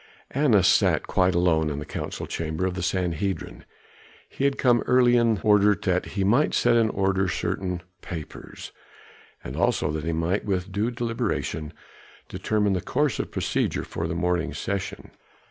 Annas sat quite alone in the council chamber of the Sanhedrim. He had come early in order that he might set in order certain papers, and also that he might with due deliberation determine the course of procedure for the morning's session.